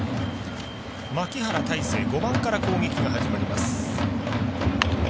牧原大成５番から攻撃が始まります。